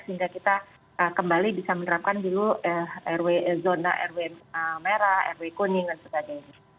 sehingga kita kembali bisa menerapkan dulu zona rw merah rw kuning dan sebagainya